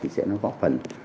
sẽ có phần